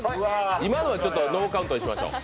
今のはノーカウントにしましょう。